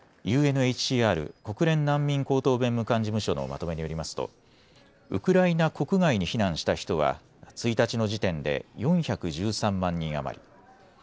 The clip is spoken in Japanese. ＵＮＨＣＲ・国連難民高等弁務官事務所のまとめによりますとウクライナ国外に避難した人は１日の時点で４１３万人余り。